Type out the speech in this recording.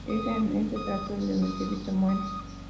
Es en este trato en el que Víctor muere.